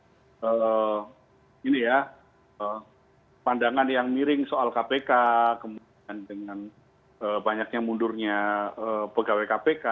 dengan pandangan yang miring soal kpk kemudian dengan banyaknya mundurnya pegawai kpk